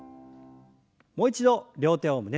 もう一度両手を胸の前に。